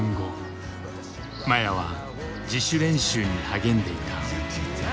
麻也は自主練習に励んでいた。